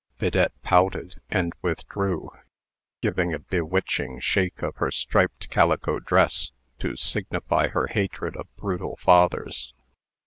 Bidette pouted, and withdrew, giving a bewitching shake of her striped calico dress, to signify her hatred of brutal fathers.